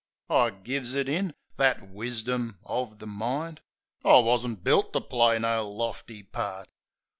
I gives it in — that wisdom o' the mind — I wasn't built to play no lofty part.